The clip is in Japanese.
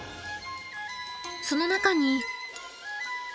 その中に。